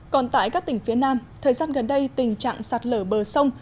còn tại các tỉnh phía nam thời gian gần đây tình trạng sạt lở bờ sông